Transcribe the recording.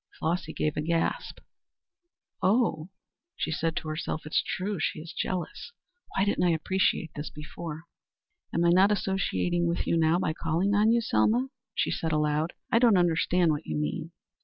Flossy gave a gasp. "Oh," she said to herself, "it's true. She is jealous. Why didn't I appreciate it before?" "Am I not associating with you now by calling on you, Selma?" she said aloud. "I don't understand what you mean."